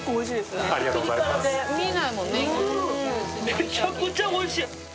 めちゃくちゃおいしい。